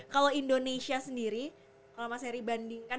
kalau indonesia sendiri kalau mas heri bandingkan